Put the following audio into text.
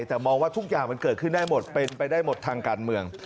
แต่มองว่าทุกอย่างมันเกิดขึ้นได้หมดเป็นไปได้หมดทางการเมือง